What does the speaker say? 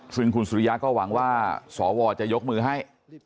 ซึ่งคุณสุริยะก็หวังว่าสวจะยกมือให้